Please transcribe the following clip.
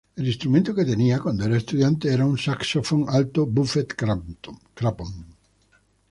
El instrumento que tenía cuando era estudiante era un saxofón alto Buffet-Crampon.